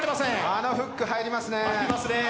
あのフック、入りますねえ